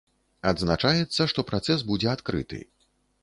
Адзначаецца, што працэс будзе адкрыты.